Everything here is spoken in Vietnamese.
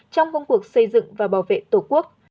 trong công cuộc xây dựng và bảo vệ tổ quốc